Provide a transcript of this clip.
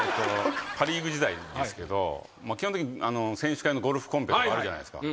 パ・リーグ時代ですけど基本的に選手会のゴルフコンペとかあるじゃないですか。